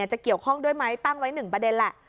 จะเกี่ยวข้องด้วยไหมตั้งไว้๑ประเด็นแหละ